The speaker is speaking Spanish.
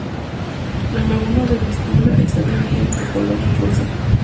La laguna del Vístula está dividida entre Polonia y Rusia.